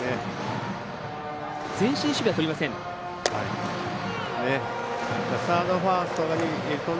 前進守備はとりません。